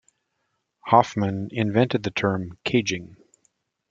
Hoffman invented the term "caging".